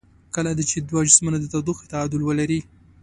کله چې دوه جسمونه د تودوخې تعادل ولري.